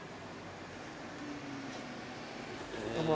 どうも。